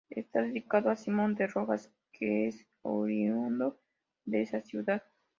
Está dedicado a Simón de Rojas, que es oriundo de esa ciudad.